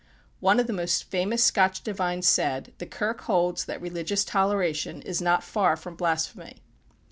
One of the most famous Scotch divines said: "The Kirk holds that religious toleration is not far from blasphemy."